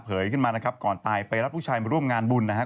ขึ้นมานะครับก่อนตายไปรับลูกชายมาร่วมงานบุญนะครับ